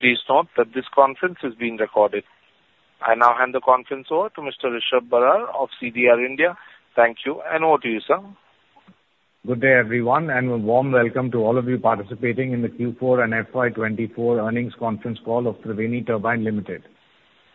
Please note that this conference is being recorded. I now hand the conference over to Mr. Rishab Barar of CDR India. Thank you, and over to you, sir. Good day, everyone, and a warm welcome to all of you participating in the Q4 and FY 2024 earnings conference call of Triveni Turbine Limited.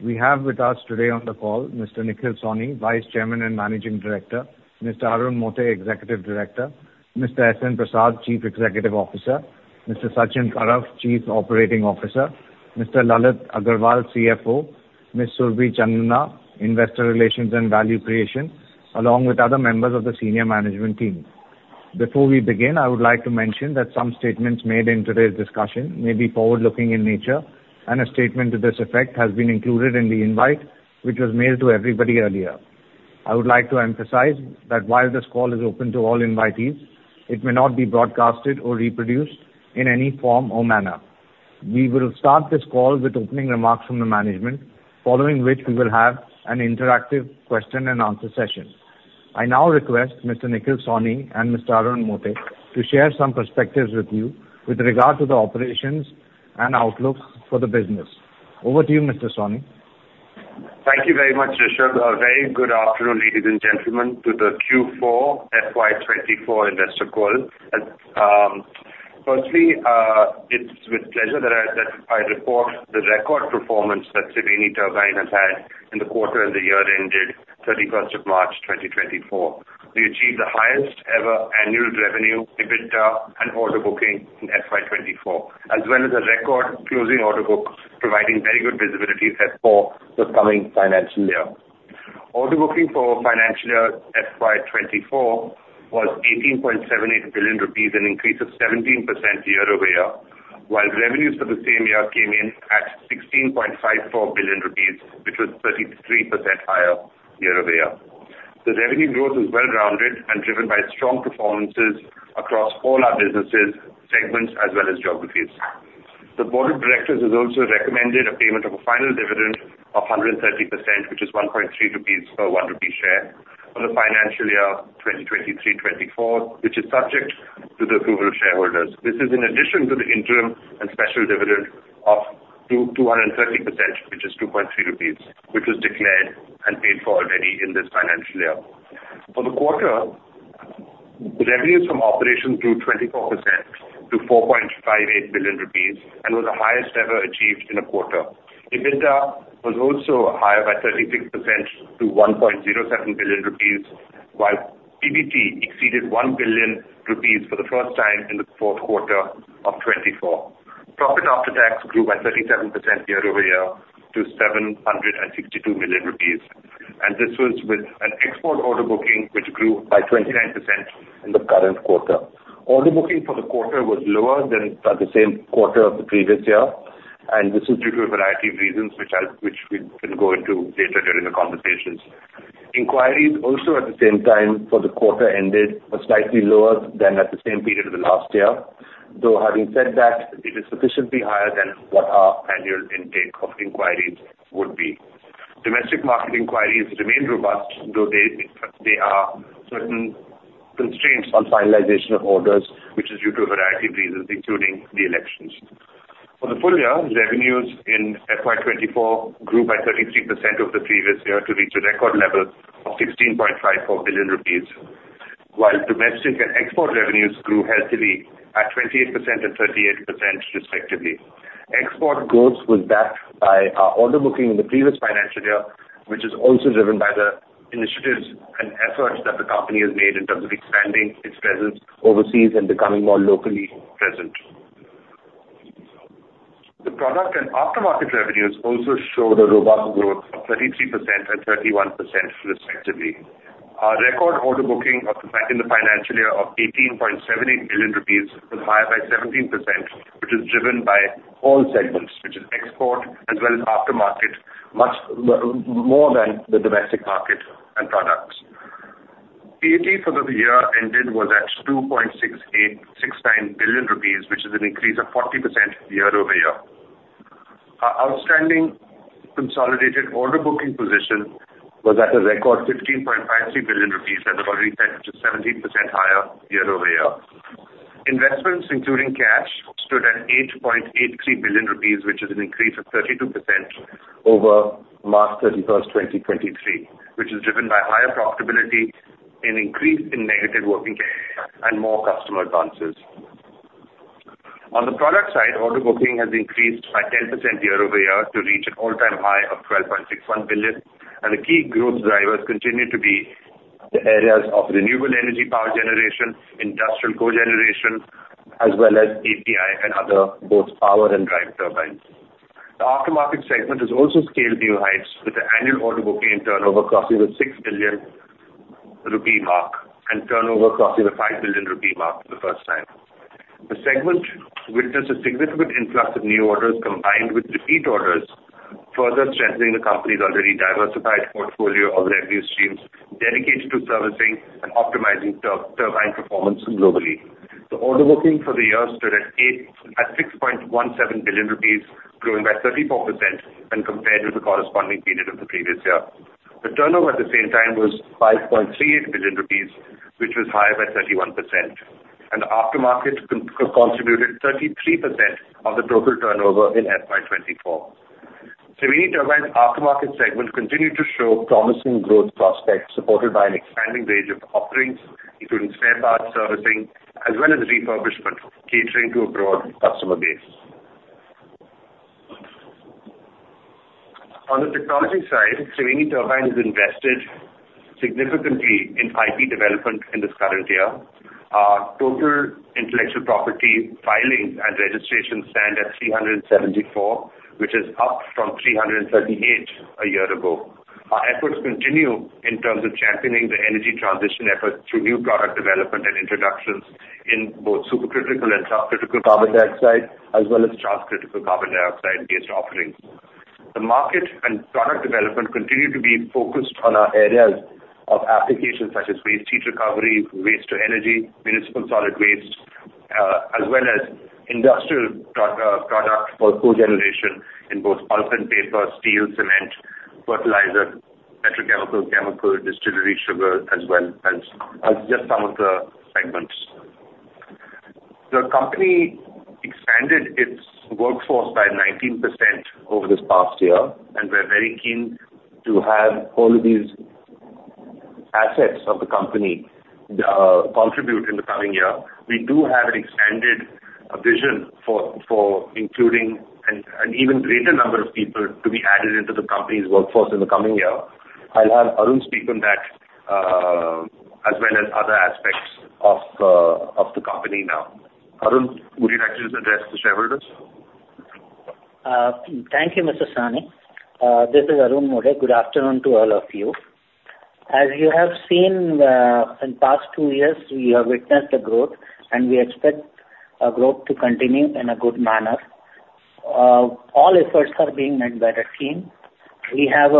We have with us today on the call Mr. Nikhil Sawhney, Vice Chairman and Managing Director; Mr. Arun Mote, Executive Director; Mr. S.N. Prasad, Chief Executive Officer; Mr. Sachin Parab, Chief Operating Officer; Mr. Lalit Agarwal, CFO; Ms. Surabhi Chandna, Head of Investor Relations and Value Creation, along with other members of the senior management team. Before we begin, I would like to mention that some statements made in today's discussion may be forward-looking in nature, and a statement to this effect has been included in the invite, which was mailed to everybody earlier. I would like to emphasize that while this call is open to all invitees, it may not be broadcasted or reproduced in any form or manner. We will start this call with opening remarks from the management, following which we will have an interactive question and answer session. I now request Mr. Nikhil Sawhney and Mr. Arun Mote to share some perspectives with you with regard to the operations and outlooks for the business. Over to you, Mr. Sawhney. Thank you very much, Rishab. A very good afternoon, ladies and gentlemen, to the Q4 FY 2024 investor call. Firstly, it's with pleasure that I, that I report the record performance that Triveni Turbine has had in the quarter and the year ended 31st of March 2024. We achieved the highest ever annual revenue, EBITDA, and order booking in FY 2024, as well as a record closing order books, providing very good visibility set for the coming financial year. Order booking for financial year FY 2024 was 18.78 billion rupees, an increase of 17% year-over-year, while revenues for the same year came in at 16.54 billion rupees, which was 33% higher year-over-year. The revenue growth is well-rounded and driven by strong performances across all our businesses, segments, as well as geographies. The board of directors has also recommended a payment of a final dividend of 130%, which is 1.3 rupees per 1 rupee share, for the financial year 2023-2024, which is subject to the approval of shareholders. This is in addition to the interim and special dividend of 230%, which is 2.3 rupees, which was declared and paid for already in this financial year. For the quarter, the revenues from operations grew 24% to 4.58 billion rupees and was the highest ever achieved in a quarter. EBITDA was also higher by 36% to 1.07 billion rupees, while PBT exceeded 1 billion rupees for the first time in the fourth quarter of 2024. Profit after tax grew by 37% year-over-year to 762 million rupees, and this was with an export order booking, which grew by 29% in the current quarter. Order booking for the quarter was lower than at the same quarter of the previous year, and this is due to a variety of reasons, which we will go into later during the conversations. Inquiries also, at the same time, for the quarter ended, were slightly lower than at the same period of the last year, though, having said that, it is sufficiently higher than what our annual intake of inquiries would be. Domestic market inquiries remain robust, though there are certain constraints on finalization of orders, which is due to a variety of reasons, including the elections. For the full year, revenues in FY 2024 grew by 33% of the previous year to reach a record level of 16.54 billion rupees, while domestic and export revenues grew healthily at 28% and 38% respectively. Export growth was backed by our order booking in the previous financial year, which is also driven by the initiatives and efforts that the company has made in terms of expanding its presence overseas and becoming more locally present. The product and aftermarket revenues also showed a robust growth of 33% and 31% respectively. Our record order booking of the financial year of 18.78 billion rupees was higher by 17%, which is driven by all segments, which is export as well as aftermarket, much, more than the domestic market and products. PAT for the year ended was at 2.6869 billion rupees, which is an increase of 40% year-over-year. Our outstanding consolidated order booking position was at a record 15.53 billion rupees, as I've already said, which is 17% higher year-over-year. Investments, including cash, stood at 8.83 billion rupees, which is an increase of 32% over March 31, 2023, which is driven by higher profitability, an increase in negative working cash, and more customer advances. On the product side, order booking has increased by 10% year-over-year to reach an all-time high of 12.61 billion, and the key growth drivers continue to be the areas of renewable energy power generation, industrial cogeneration, as well as API and other both power and drive turbines. The aftermarket segment has also scaled new heights with the annual order booking turnover crossing the 6 billion rupee mark and turnover crossing the 5 billion rupee mark for the first time. The segment witnessed a significant influx of new orders combined with repeat orders, further strengthening the company's already diversified portfolio of revenue streams dedicated to servicing and optimizing turbine performance globally. The order booking for the year stood at 6.17 billion rupees, growing by 34% when compared with the corresponding period of the previous year. The turnover, at the same time, was 5.38 billion rupees, which was higher by 31%... and aftermarket contributed 33% of the total turnover in FY 2024. Triveni Turbine's aftermarket segment continued to show promising growth prospects, supported by an expanding range of offerings, including spare parts servicing, as well as refurbishment, catering to a broad customer base. On the technology side, Triveni Turbine has invested significantly in IP development in this current year. Our total intellectual property filings and registrations stand at 374, which is up from 338 a year ago. Our efforts continue in terms of championing the energy transition effort through new product development and introductions in both supercritical and subcritical carbon dioxide, as well as transcritical carbon dioxide-based offerings. The market and product development continue to be focused on our areas of applications, such as waste heat recovery, waste to energy, municipal solid waste, as well as industrial product for co-generation in both pulp and paper, steel, cement, fertilizer, petrochemical, chemical, distillery, sugar, as well as are just some of the segments. The company expanded its workforce by 19% over this past year, and we're very keen to have all of these assets of the company contribute in the coming year. We do have an expanded vision for including an even greater number of people to be added into the company's workforce in the coming year. I'll have Arun speak on that, as well as other aspects of the company now. Arun, would you like to address the shareholders? Thank you, Mr. Sawhney. This is Arun Mote. Good afternoon to all of you. As you have seen, in past two years, we have witnessed the growth, and we expect our growth to continue in a good manner. All efforts are being made by the team. We have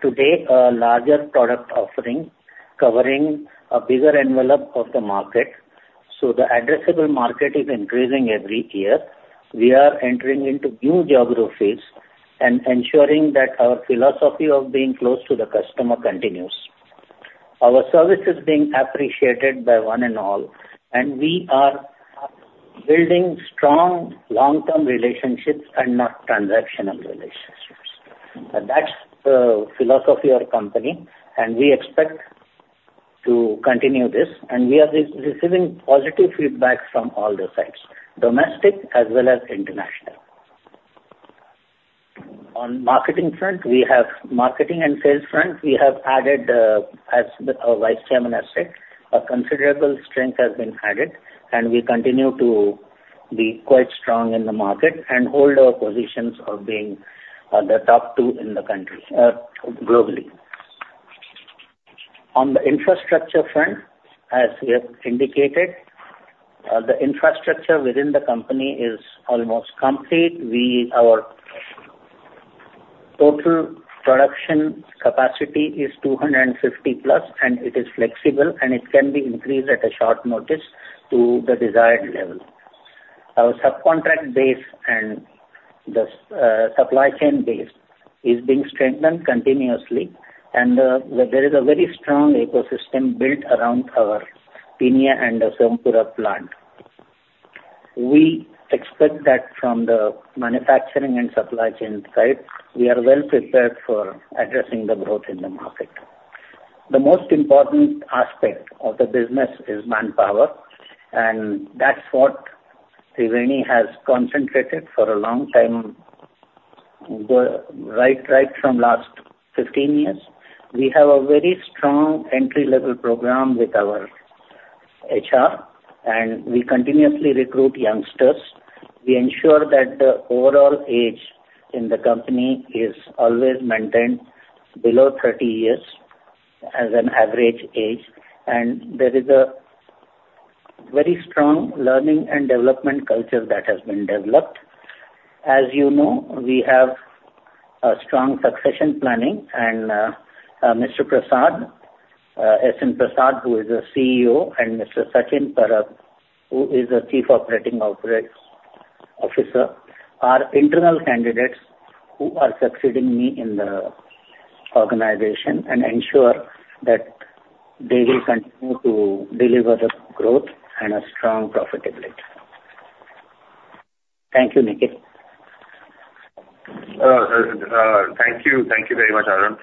today a larger product offering, covering a bigger envelope of the market, so the addressable market is increasing every year. We are entering into new geographies and ensuring that our philosophy of being close to the customer continues. Our service is being appreciated by one and all, and we are building strong long-term relationships and not transactional relationships. And that's the philosophy of our company, and we expect to continue this, and we are receiving positive feedback from all the sides, domestic as well as international. On the marketing and sales front, we have added, as our vice chairman has said, a considerable strength has been added, and we continue to be quite strong in the market and hold our positions of being the top two in the country, globally. On the infrastructure front, as we have indicated, the infrastructure within the company is almost complete. Our total production capacity is 250+, and it is flexible, and it can be increased at a short notice to the desired level. Our subcontract base and the supply chain base is being strengthened continuously, and there is a very strong ecosystem built around our Peenya and Sompura plant. We expect that from the manufacturing and supply chain side, we are well prepared for addressing the growth in the market. The most important aspect of the business is manpower, and that's what Triveni has concentrated for a long time, right, right from last 15 years. We have a very strong entry-level program with our HR, and we continuously recruit youngsters. We ensure that the overall age in the company is always maintained below 30 years as an average age, and there is a very strong learning and development culture that has been developed. As you know, we have a strong succession planning and, Mr. Prasad, S.N. Prasad, who is the CEO, and Mr. Sachin Parab, who is the Chief Operating Officer, are internal candidates who are succeeding me in the organization and ensure that they will continue to deliver the growth and a strong profitability. Thank you, Nikhil. Thank you. Thank you very much, Arun.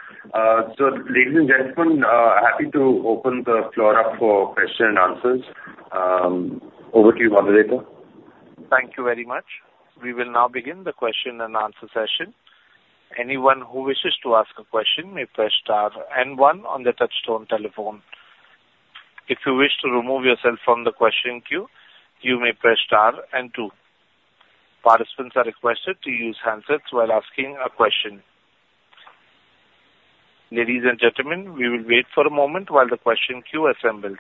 So ladies and gentlemen, happy to open the floor up for question and answers. Over to you, moderator. Thank you very much. We will now begin the question and answer session. Anyone who wishes to ask a question may press star and one on the touchtone telephone. If you wish to remove yourself from the question queue, you may press star and two. Participants are requested to use handsets while asking a question. Ladies and gentlemen, we will wait for a moment while the question queue assembles.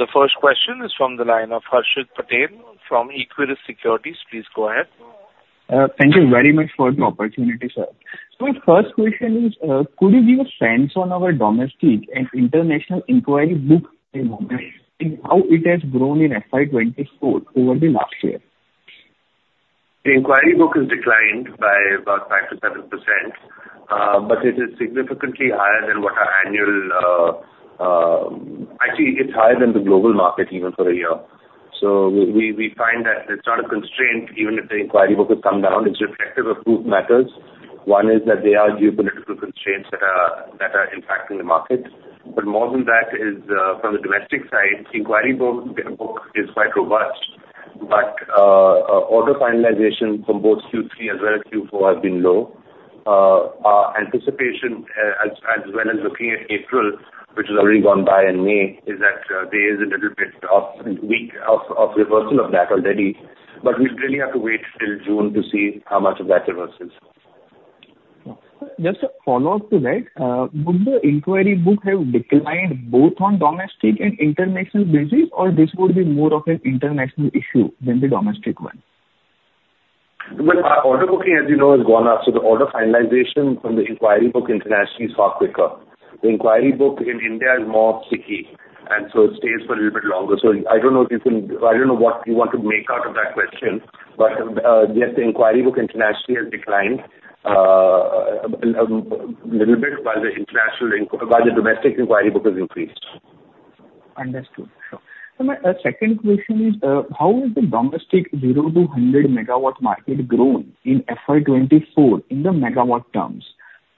The first question is from the line of Harshit Patel from Equirus Securities. Please go ahead. Thank you very much for the opportunity, sir. So the first question is, could you give a sense on our domestic and international inquiry books at the moment, and how it has grown in FY 2024 over the last year?... The inquiry book has declined by about 5%-7%, but it is significantly higher than what our annual, actually, it's higher than the global market even for a year. So we, we find that it's not a constraint, even if the inquiry book has come down, it's reflective of two matters. One is that there are geopolitical constraints that are, that are impacting the market. But more than that is, from the domestic side, inquiry book, their book is quite robust, but, order finalization from both Q3 as well as Q4 has been low. Our anticipation, as well as looking at April, which has already gone by in May, is that there is a little bit of weak of reversal of that already, but we really have to wait till June to see how much of that reverses. Just a follow-up to that, would the inquiry book have declined both on domestic and international business, or this would be more of an international issue than the domestic one? Well, our order booking, as you know, has gone up, so the order finalization from the inquiry book internationally is far quicker. The inquiry book in India is more sticky, and so it stays for a little bit longer. So I don't know if you can. I don't know what you want to make out of that question, but yes, the inquiry book internationally has declined a little bit, while the domestic inquiry book has increased. Understood. Sure. So my second question is, how is the domestic 0-100 MW market grown in FY 2024, in the megawatt terms?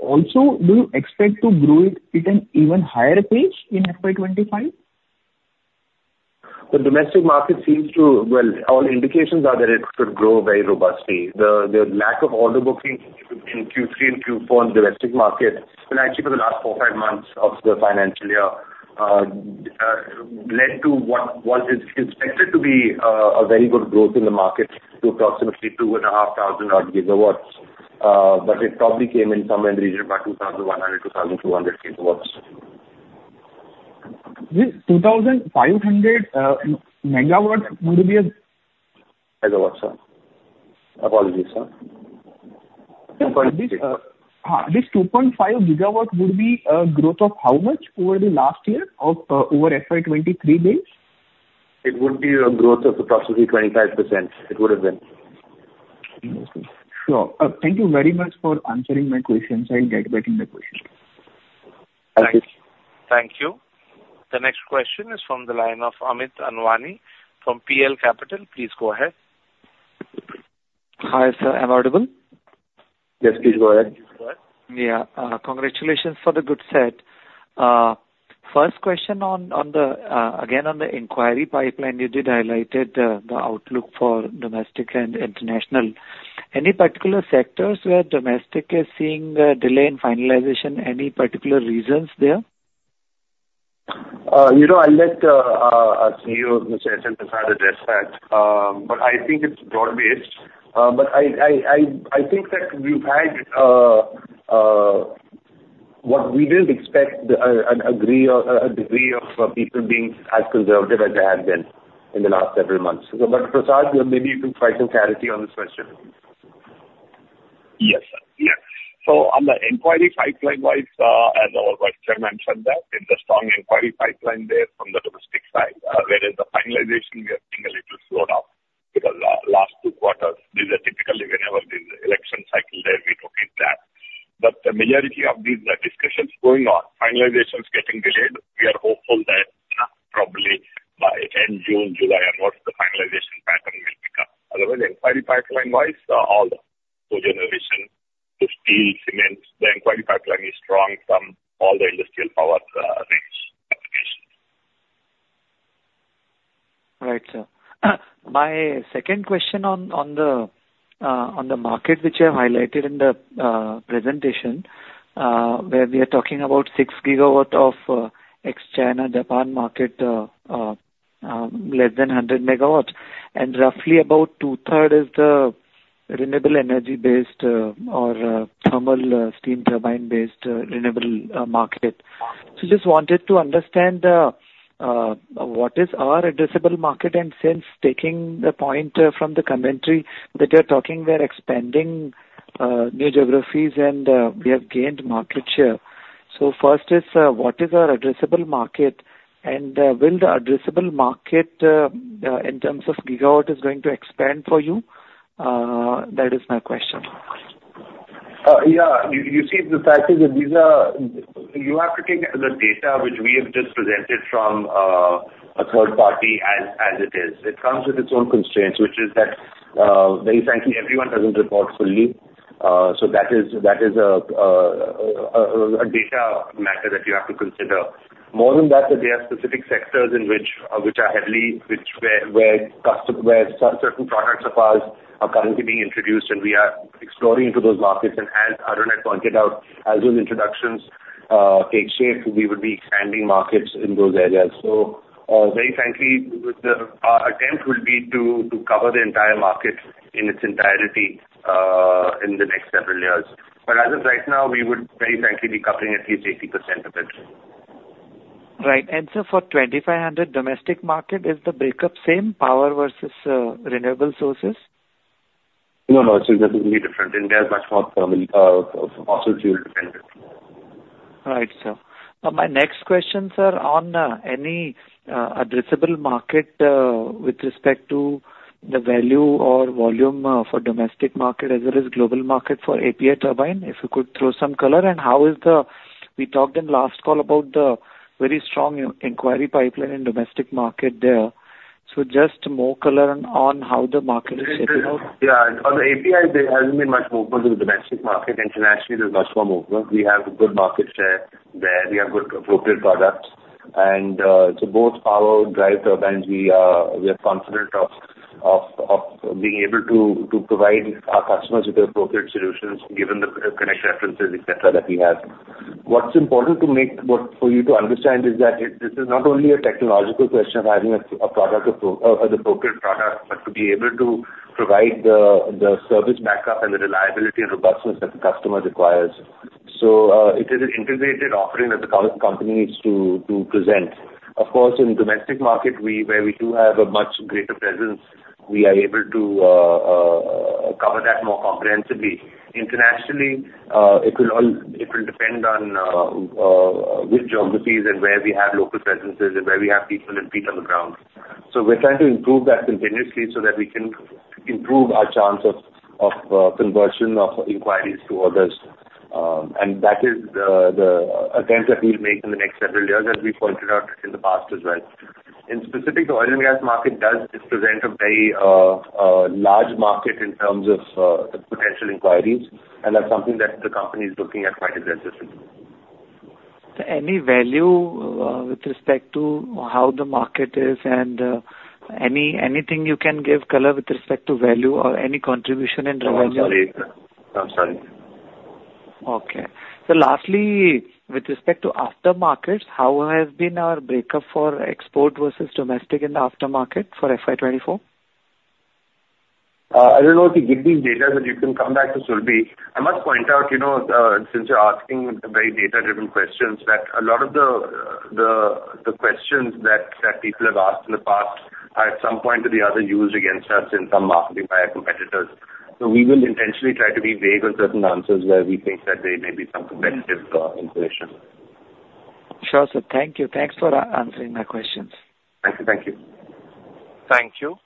Also, do you expect to grow it at an even higher pace in FY 2025? The domestic market seems to... Well, all indications are that it could grow very robustly. The lack of order booking in Q3 and Q4 in the domestic market, and actually for the last four, five months of the financial year, led to what is expected to be a very good growth in the market to approximately 2,500-odd GW. But it probably came in somewhere in the region about 2,100 GW-2,200 GW. This 2,500 MW would be a- Gigawatts, sir. Apologies, sir. This 2.5 GW would be a growth of how much over the last year of over FY 2023 base? It would be a growth of approximately 25%. It would have been. Sure. Thank you very much for answering my questions. I'll get back in the question. Thank you. Thank you. The next question is from the line of Amit Anwani from PL Capital. Please go ahead. Hi, sir. Am I audible? Yes, please go ahead. Yeah. Congratulations for the good set. First question on the inquiry pipeline, again, on the inquiry pipeline, you did highlighted the outlook for domestic and international. Any particular sectors where domestic is seeing a delay in finalization? Any particular reasons there? You know, I'll let our CEO, Mr. S.N. Prasad, address that, but I think it's broad-based. But I think that we've had what we didn't expect, a degree of people being as conservative as they have been in the last several months. Prasad, maybe you can try to clarify on this question. Yes, sir. Yes. So on the inquiry pipeline-wise, as our Vice Chairman said that, in the strong inquiry pipeline there from the domestic side, whereas the finalization, we are seeing a little slowed down because, last two quarters, these are typically whenever the election cycle there, we look at that. But the majority of these, discussions going on, finalizations getting delayed, we are hopeful that, probably by end June, July, onwards, the finalization pattern will pick up. Otherwise, inquiry pipeline-wise, all the co-generation to steel, cements, the inquiry pipeline is strong from all the industrial power, range applications. Right, sir. My second question on the market, which you have highlighted in the presentation, where we are talking about 6 GW of ex-China, ex-Japan market, less than 100 MW, and roughly about two-thirds is the renewable energy-based, or thermal, steam turbine-based, renewable, market. So just wanted to understand what is our addressable market, and since taking the point from the commentary that you're talking, we're expanding new geographies and we have gained market share. So first is what is our addressable market? And will the addressable market in terms of gigawatts is going to expand for you? That is my question. Yeah, you see, the fact is that these are. You have to take the data which we have just presented from a third party as it is. It comes with its own constraints, which is that, very frankly, everyone doesn't report fully. So that is a data matter that you have to consider. More than that, there are specific sectors in which certain products of ours are currently being introduced, and we are exploring into those markets. And as Arun has pointed out, as those introductions take shape, we would be expanding markets in those areas. So, very frankly, the attempt will be to cover the entire market in its entirety in the next several years. But as of right now, we would very frankly be covering at least 80% of it. Right. And so for 2,500 domestic market, is the breakup same, power versus renewable sources? No, no, it's definitely different. India is much more thermal, fossil fuel dependent.... Right, sir. Now, my next question, sir, on any addressable market with respect to the value or volume for domestic market as it is global market for API turbine, if you could throw some color. And how is the. We talked in last call about the very strong inquiry pipeline in domestic market there. So just more color on how the market is shaping up. Yeah, on the API, there hasn't been much movement in the domestic market. Internationally, there's much more movement. We have good market share there. We have good appropriate products, and so both power drive turbines, we are confident of being able to provide our customers with appropriate solutions, given the connection references, et cetera, that we have. What's important for you to understand is that this is not only a technological question of having a product, the appropriate product, but to be able to provide the service backup and the reliability and robustness that the customer requires. So, it is an integrated offering that the company needs to present. Of course, in domestic market, where we do have a much greater presence, we are able to cover that more comprehensively. Internationally, it will depend on which geographies and where we have local presences and where we have people and feet on the ground. So we're trying to improve that continuously so that we can improve our chance of conversion of inquiries to others. And that is the attempt that we'll make in the next several years, as we pointed out in the past as well. In specific, the oil and gas market does present a very large market in terms of potential inquiries, and that's something that the company is looking at quite aggressively. Any value with respect to how the market is and anything you can give color with respect to value or any contribution in revenue? I'm sorry. Okay. Lastly, with respect to aftermarkets, how has been our breakup for export versus domestic in the aftermarket for FY 2024? I don't know if we give these data, but you can come back to Surabhi. I must point out, you know, since you're asking very data-driven questions, that a lot of the questions that people have asked in the past are at some point or the other used against us in some marketing by our competitors. So we will intentionally try to be vague on certain answers where we think that there may be some competitive information. Sure, sir. Thank you. Thanks for answering my questions. Thank you. Thank you. Thank you.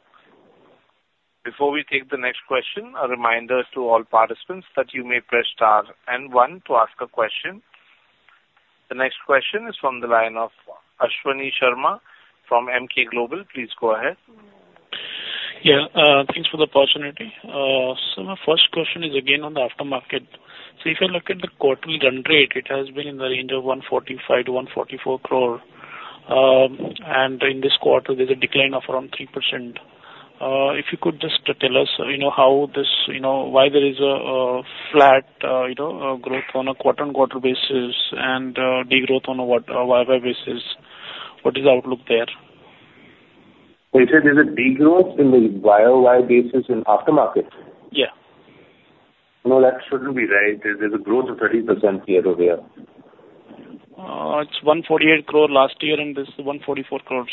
Before we take the next question, a reminder to all participants that you may press star and one to ask a question. The next question is from the line of Ashwani Sharma from Emkay Global. Please go ahead. Yeah, thanks for the opportunity. So my first question is again, on the aftermarket. So if you look at the quarterly run rate, it has been in the range of 145 crore-144 crore. And in this quarter, there's a decline of around 3%. If you could just tell us, you know, how this, you know, why there is a flat, you know, growth on a quarter-on-quarter basis and degrowth on a year-on-year basis. What is the outlook there? You said there's a degrowth in the YoY basis in aftermarket? Yeah. No, that shouldn't be right. There's a growth of 30% year-over-year. It's 148 crore last year, and this is 144 crore.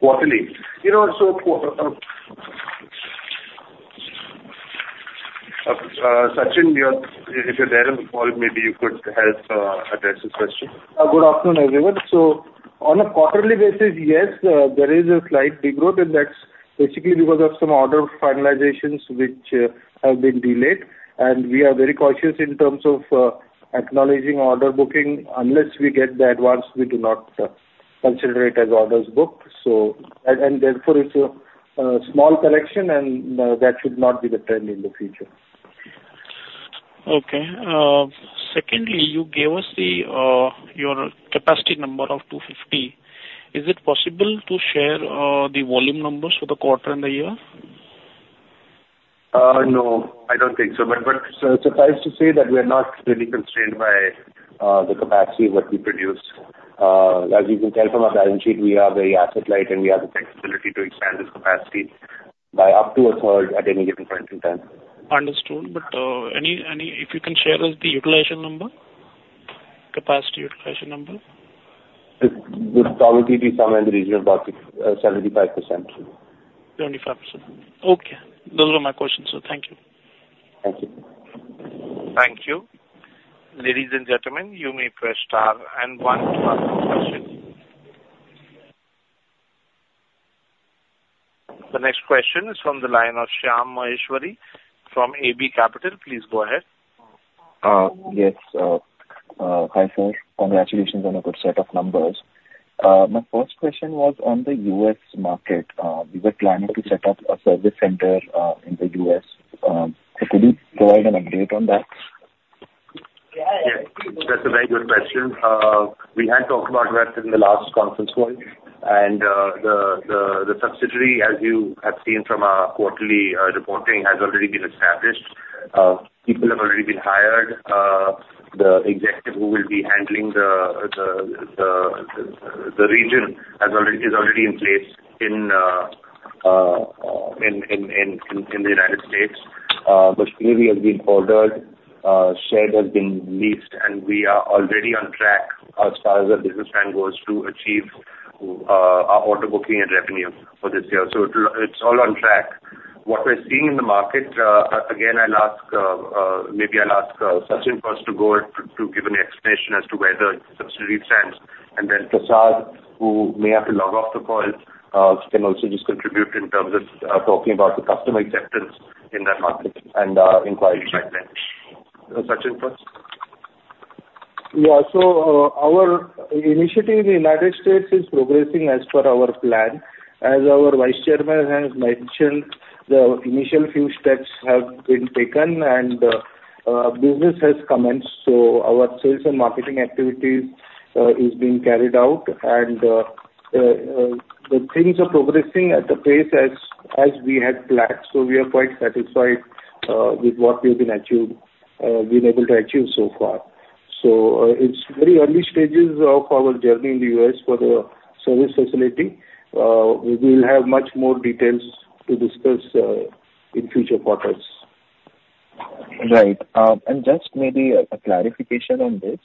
Quarterly. You know, so, Sachin, if you're there on the call, maybe you could help address this question. Good afternoon, everyone. So on a quarterly basis, yes, there is a slight degrowth, and that's basically because of some order finalizations which have been delayed. And we are very cautious in terms of acknowledging order booking. Unless we get the advance, we do not consider it as orders booked. So... And, and therefore, it's a small correction, and that should not be the trend in the future. Okay. Secondly, you gave us the your capacity number of 250. Is it possible to share the volume numbers for the quarter and the year? No, I don't think so. But, but suffice to say that we are not really constrained by, the capacity of what we produce. As you can tell from our balance sheet, we are very asset light, and we have the flexibility to expand this capacity by up to a third at any given point in time. Understood. But if you can share us the utilization number, capacity utilization number? It would probably be somewhere in the region of about 75%. 75%. Okay, those are my questions. So thank you. Thank you. Thank you. Ladies and gentlemen, you may press star and one to ask a question. The next question is from the line of Shyam Maheshwari from AB Capital. Please go ahead. Yes. Hi, sir. Congratulations on a good set of numbers. My first question was on the U.S. market. You were planning to set up a service center in the U.S. So could you provide an update on that? Yes, that's a very good question. We had talked about that in the last conference call, and the subsidiary, as you have seen from our quarterly reporting, has already been established. People have already been hired. The executive who will be handling the region is already in place in the United States. The machinery has been ordered, shed has been leased, and we are already on track as far as our business plan goes, to achieve our order booking and revenue for this year. So it'll, it's all on track. What we're seeing in the market, again, I'll ask, maybe I'll ask, Sachin first to go, to, to give an explanation as to where the subsidiary stands, and then Prasad, who may have to log off the call, can also just contribute in terms of talking about the customer acceptance in that market and inquiry like that. Sachin first. Yeah. Our initiative in the United States is progressing as per our plan. As our vice chairman has mentioned, the initial few steps have been taken and business has commenced, so our sales and marketing activities is being carried out. The things are progressing at the pace as we had planned. So we are quite satisfied with what we've been able to achieve so far. It's very early stages of our journey in the US for the service facility. We will have much more details to discuss in future quarters. Right. Just maybe a clarification on this.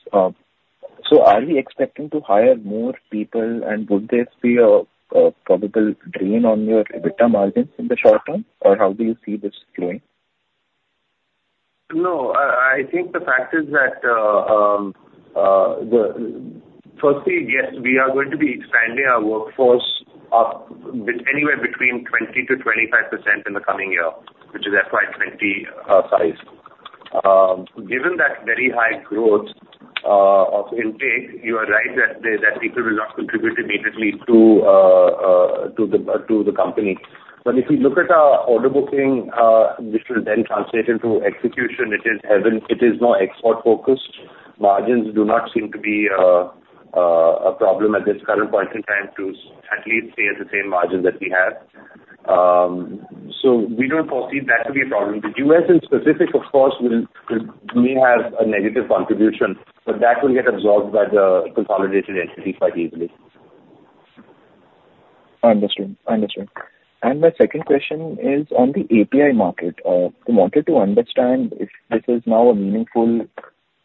So are we expecting to hire more people, and would this be a probable drain on your EBITDA margins in the short term, or how do you see this flowing? No, I think the fact is that, Firstly, yes, we are going to be expanding our workforce up anywhere between 20%-25% in the coming year, which is FY 2025. Given that very high growth of intake, you are right that people will not contribute immediately to the company. But if you look at our order booking, which will then translate into execution, it is more export focused. Margins do not seem to be a problem at this current point in time to at least stay at the same margins that we have. So we don't foresee that to be a problem. The U.S. in specific, of course, will may have a negative contribution, but that will get absorbed by the consolidated entity quite easily. I understand. I understand. And my second question is on the API market. We wanted to understand if this is now a meaningful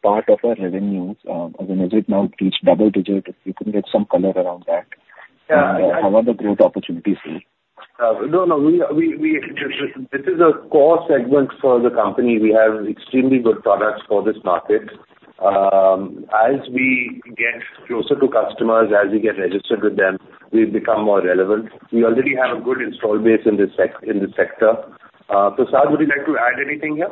part of our revenues, and has it now reached double digit? If you can give some color around that. Yeah. How are the growth opportunities here? No, this is a core segment for the company. We have extremely good products for this market. As we get closer to customers, as we get registered with them, we become more relevant. We already have a good install base in this sector. Prasad, would you like to add anything here?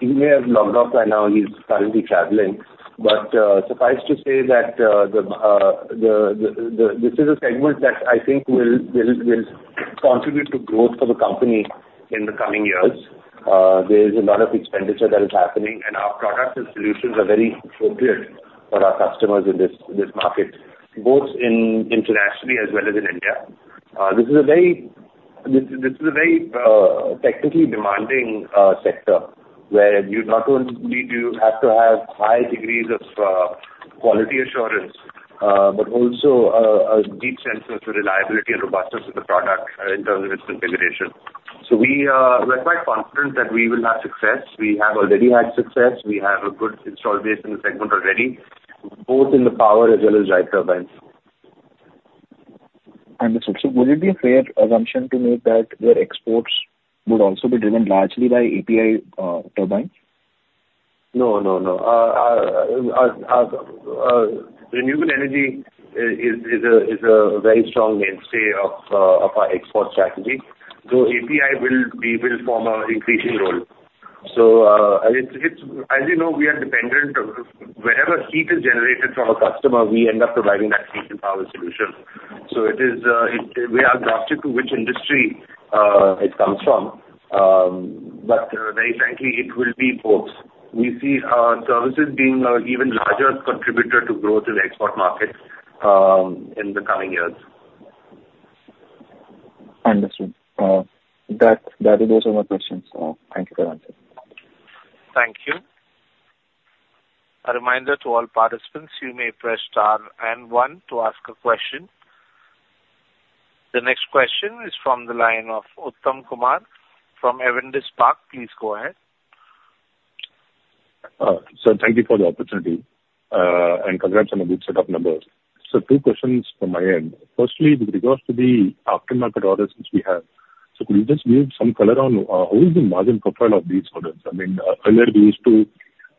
He may have logged off by now, he's currently traveling. But, suffice to say that, the... This is a segment that I think will contribute to growth for the company in the coming years. There is a lot of expenditure that is happening, and our products and solutions are very appropriate for our customers in this market, both internationally as well as in India. This is a very technically demanding sector, where you not only have to have high degrees of quality assurance, but also a deep sense of the reliability and robustness of the product in terms of its configuration. So we're quite confident that we will have success. We have already had success. We have a good install base in the segment already, both in the power as well as drive turbines. Understood. So would it be a fair assumption to make that your exports would also be driven largely by API turbines? No, no, no. Our renewable energy is a very strong mainstay of our export strategy, though API will, we will form an increasing role. So, it's as you know, we are dependent. Wherever heat is generated from a customer, we end up providing that heat and power solution. So it is, we are agnostic to which industry it comes from. But very frankly, it will be both. We see services being an even larger contributor to growth in the export market in the coming years. Understood. That is all my questions. Thank you very much. Thank you. A reminder to all participants, you may press star and one to ask a question. The next question is from the line of Uttam Kumar from Avendus Spark. Please go ahead. Sir, thank you for the opportunity, and congrats on a good set of numbers. So two questions from my end. Firstly, with regards to the aftermarket orders which we have, so could you just give some color on, who is the margin profile of these orders? I mean, earlier we used to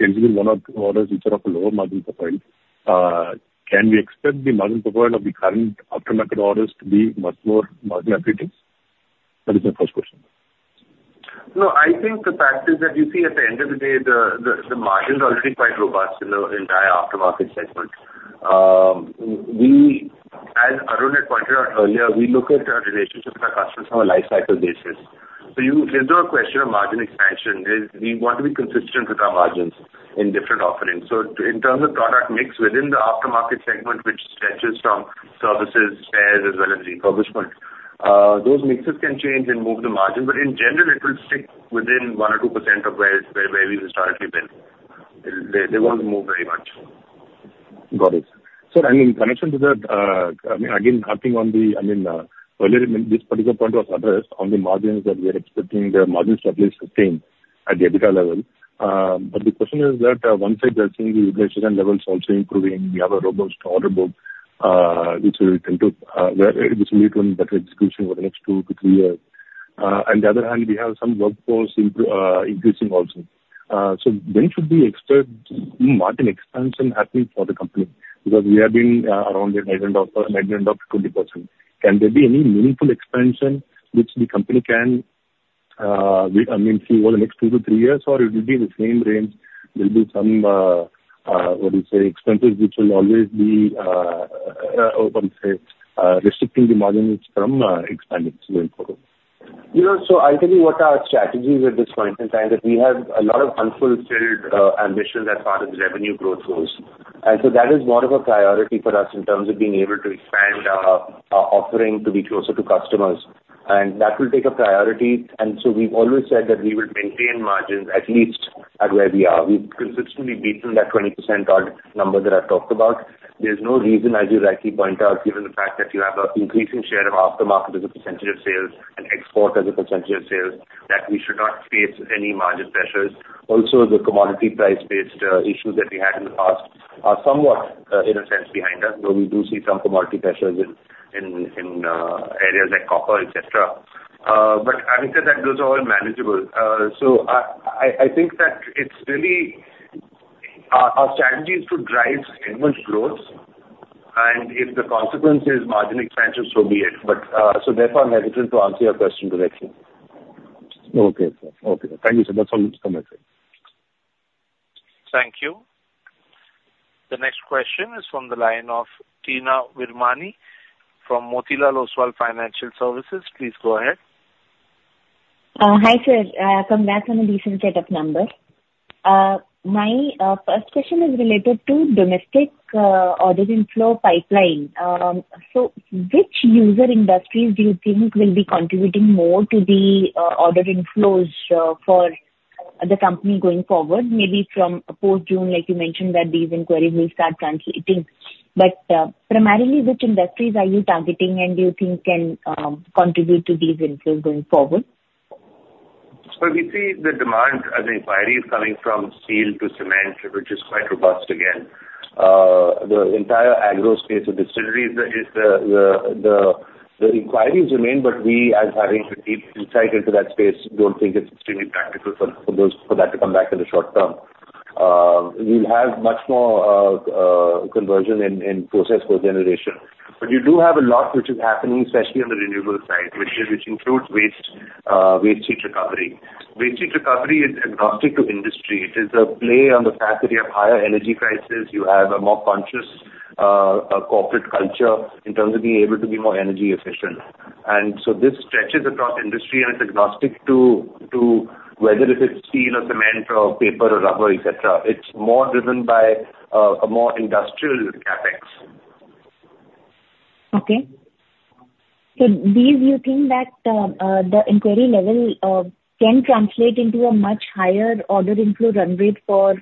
enter one or two orders which are of a lower margin profile. Can we expect the margin profile of the current aftermarket orders to be much more margin appetite? That is my first question. No, I think the fact is that you see, at the end of the day, the margins are already quite robust in the entire aftermarket segment. We, as Arun had pointed out earlier, we look at our relationship with our customers from a lifecycle basis. So you, it's not a question of margin expansion, is we want to be consistent with our margins in different offerings. So in terms of product mix, within the aftermarket segment, which stretches from services, spares, as well as refurbishment, those mixes can change and move the margin, but in general, it will stick within 1% or 2% of where we've historically been. They won't move very much. ... Got it. So I mean, in connection to that, I mean, again, acting on the, I mean, earlier, I mean, this particular point was addressed on the margins that we are expecting the margins to at least 15% at the EBITDA level. But the question is that, one side, we are seeing the utilization levels also improving. We have a robust order book, which will tend to, where this will lead to a better execution over the next two to three years. On the other hand, we have some workforce increasing also. So when should we expect margin expansion happening for the company? Because we have been around the mid-end of 20%. Can there be any meaningful expansion which the company can, I mean, see over the next two to three years, or it will be in the same range, there'll be some expenses, which will always be restricting the margins from expanding going forward? You know, so I'll tell you what our strategy is at this point in time, that we have a lot of unfulfilled ambitions as part of the revenue growth goals. And so that is more of a priority for us in terms of being able to expand our, our offering to be closer to customers, and that will take a priority. And so we've always said that we will maintain margins at least at where we are. We've consistently beaten that 20% odd number that I've talked about. There's no reason, as you rightly point out, given the fact that you have an increasing share of aftermarket as a percentage of sales and export as a percentage of sales, that we should not face any margin pressures. Also, the commodity price-based issues that we had in the past are somewhat in a sense behind us, though we do see some commodity pressures in areas like copper, et cetera. But I would say that those are all manageable. So I think that it's really our strategy is to drive enormous growth, and if the consequence is margin expansion, so be it. But so therefore, I'm hesitant to answer your question directly. Okay, sir. Okay. Thank you, sir. That's all from my side. Thank you. The next question is from the line of Teena Virmani from Motilal Oswal Financial Services. Please go ahead. Hi, sir. Congrats on the recent set of numbers. My first question is related to domestic order inflow pipeline. So which user industries do you think will be contributing more to the order inflows for the company going forward? Maybe from post-June, like you mentioned, that these inquiries will start translating. But primarily, which industries are you targeting and you think can contribute to these inflows going forward? So we see the demand and the inquiries coming from steel to cement, which is quite robust again. The entire agro space of distilleries, the inquiries remain, but we, as having deep insight into that space, don't think it's extremely practical for that to come back in the short term. We'll have much more conversion in process for generation. But you do have a lot which is happening, especially on the renewable side, which includes waste heat recovery. Waste heat recovery is agnostic to industry. It is a play on the fact that you have higher energy prices, you have a more conscious corporate culture in terms of being able to be more energy efficient. And so this stretches across industry, and it's agnostic to whether it is steel or cement or paper or rubber, et cetera. It's more driven by a more industrial CapEx. Okay. So do you think that the inquiry level can translate into a much higher order inflow run rate for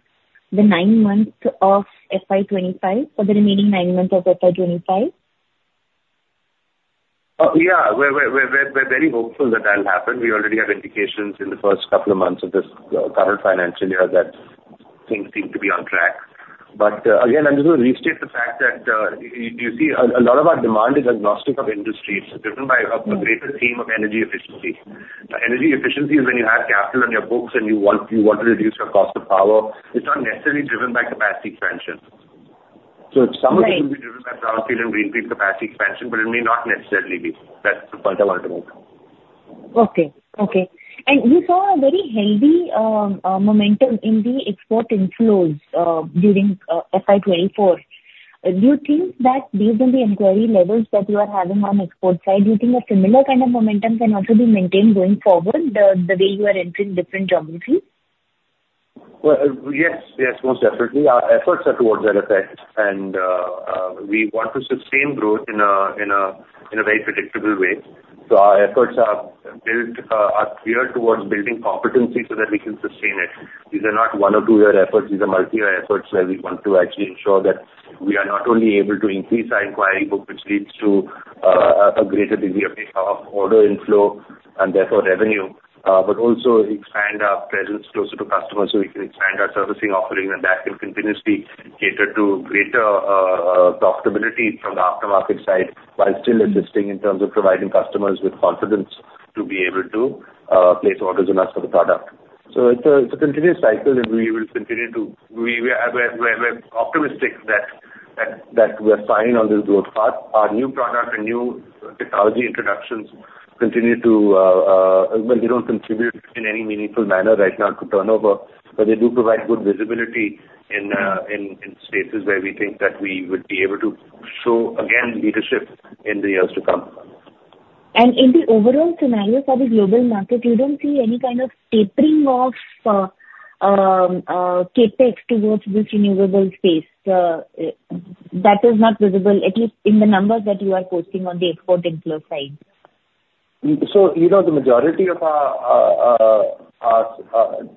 the nine months of FY 2025, for the remaining nine months of FY 2025? Yeah, we're very hopeful that that'll happen. We already have indications in the first couple of months of this current financial year that things seem to be on track. But again, I'm just going to restate the fact that you see a lot of our demand is agnostic of industry. It's driven by a greater theme of energy efficiency. Energy efficiency is when you have capital on your books and you want to reduce your cost of power. It's not necessarily driven by capacity expansion. Right. Some of it will be driven by brownfield and greenfield capacity expansion, but it may not necessarily be. That's the point I wanted to make. Okay. Okay. And we saw a very healthy momentum in the export inflows during FY 2024. Do you think that based on the inquiry levels that you are having on export side, do you think a similar kind of momentum can also be maintained going forward, the way you are entering different geographies? Well, yes, yes, most definitely. Our efforts are towards that effect, and we want to sustain growth in a very predictable way. So our efforts are built, are geared towards building competency so that we can sustain it. These are not one or two-year efforts. These are multi-year efforts, where we want to actually ensure that we are not only able to increase our inquiry book, which leads to a greater degree of order inflow and therefore revenue, but also expand our presence closer to customers, so we can expand our servicing offering, and that can continuously cater to greater profitability from the aftermarket side, while still assisting in terms of providing customers with confidence to be able to place orders with us for the product. So it's a continuous cycle, and we will continue to... We're optimistic that we're signing on this growth path. Our new product and new technology introductions continue to, well, they don't contribute in any meaningful manner right now to turnover, but they do provide good visibility in, in spaces where we think that we would be able to show, again, leadership in the years to come. In the overall scenario for the global market, you don't see any kind of tapering off, CapEx towards this renewable space? That is not visible, at least in the numbers that you are posting on the export inflow side. ... So, you know, the majority of our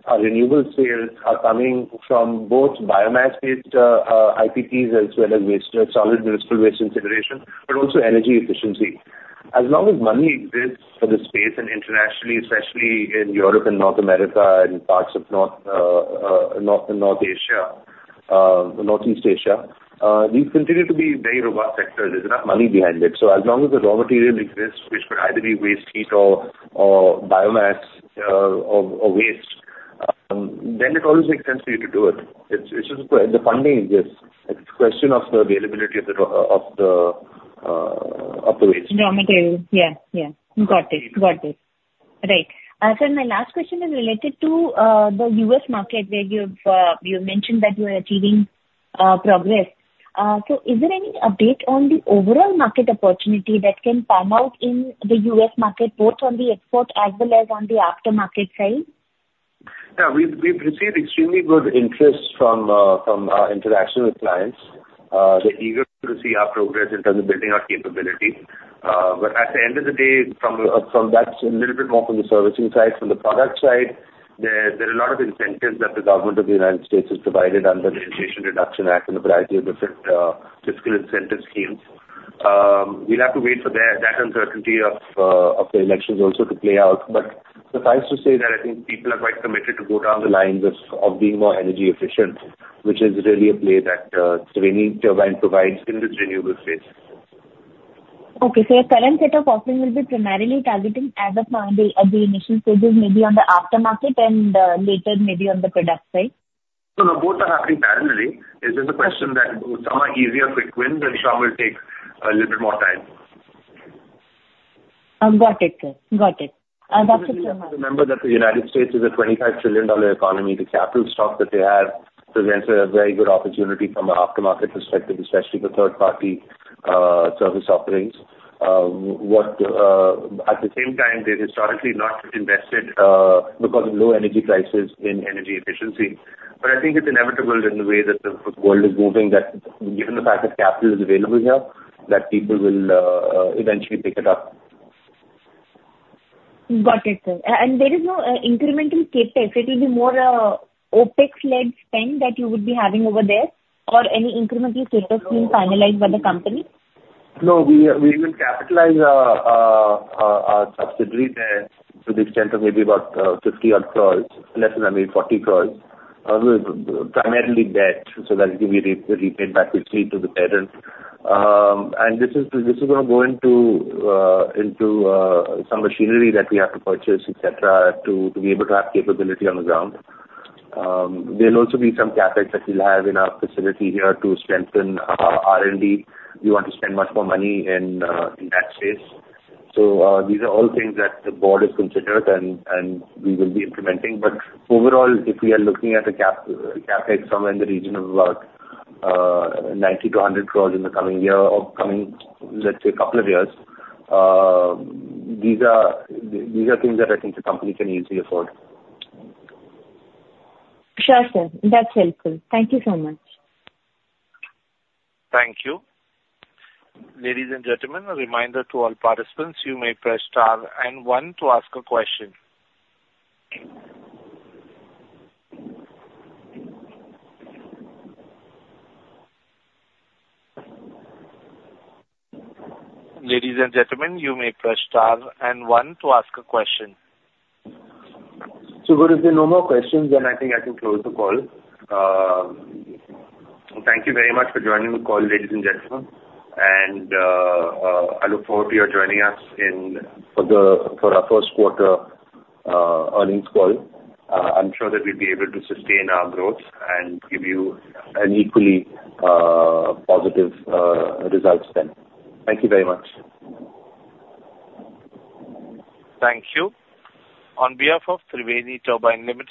renewables sales are coming from both biomass-based IPPs, as well as waste solid municipal waste consideration, but also energy efficiency. As long as money exists for the space and internationally, especially in Europe and North America and parts of North Asia and Northeast Asia, these continue to be very robust sectors. There's a lot of money behind it. So as long as the raw material exists, which could either be waste heat or biomass or waste, then it always makes sense for you to do it. It's just the funding exists. It's a question of the availability of the waste. Raw material. Yeah, yeah. Got it. Got it. Right. Sir, my last question is related to the U.S. market, where you've you mentioned that you are achieving progress. So is there any update on the overall market opportunity that can come out in the U.S. market, both on the export as well as on the aftermarket side? Yeah. We've received extremely good interest from, from our interaction with clients. They're eager to see our progress in terms of building our capability. But at the end of the day, from that. That's a little bit more from the servicing side. From the product side, there are a lot of incentives that the government of the United States has provided under the Inflation Reduction Act and a variety of different fiscal incentive schemes. We'll have to wait for that uncertainty of the elections also to play out. But suffice to say that I think people are quite committed to go down the lines of being more energy efficient, which is really a play that Triveni Turbine provides in this renewable space. Okay. So your current set of offering will be primarily targeting at the moment, at the initial stages, maybe on the aftermarket and later maybe on the product side? No, no, both are happening parallelly. It's just a question that some are easier quick wins, and some will take a little bit more time. Got it, sir. Got it. And that's it so much. Remember that the United States is a $25 trillion economy. The capital stock that they have presents a very good opportunity from an aftermarket perspective, especially for third-party service offerings. At the same time, they've historically not invested because of low energy prices in energy efficiency. But I think it's inevitable in the way that the world is moving, that given the fact that capital is available here, that people will eventually pick it up. Got it, sir. And there is no incremental CapEx. It will be more OpEx-led spend that you would be having over there or any incremental CapEx being finalized by the company? No, we will capitalize our subsidiary there to the extent of maybe about 50-odd crores, less than, I mean, 40 crores. Primarily debt, so that we can be paid back quickly to the parent. And this is to, this is gonna go into some machinery that we have to purchase, et cetera, to be able to have capability on the ground. There'll also be some CapEx that we'll have in our facility here to strengthen our R&D. We want to spend much more money in that space. So, these are all things that the board has considered and we will be implementing. But overall, if we are looking at the CapEx, CapEx somewhere in the region of about 90 crore-100 crore in the coming year or coming, let's say, couple of years, these are, these are things that I think the company can easily afford. Sure, sir. That's helpful. Thank you so much. Thank you. Ladies and gentlemen, a reminder to all participants, you may press star and one to ask a question. Ladies and gentlemen, you may press star and one to ask a question. So if there are no more questions, then I think I can close the call. Thank you very much for joining the call, ladies and gentlemen, and I look forward to you joining us for our first quarter earnings call. I'm sure that we'll be able to sustain our growth and give you an equally positive results then. Thank you very much. Thank you. On behalf of Triveni Turbine Limited-